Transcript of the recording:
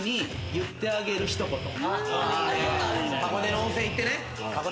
箱根の温泉行って。